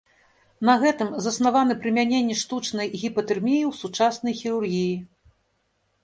На гэтым заснавана прымяненне штучнай гіпатэрміі ў сучаснай хірургіі.